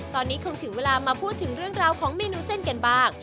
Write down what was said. ตอนนี้คงถึงเวลามาพูดถึงเรื่องราวของเมนูเส้นกันบ้าง